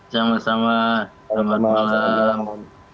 sama sama selamat malam